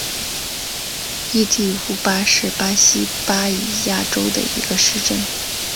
伊蒂乌巴是巴西巴伊亚州的一个市镇。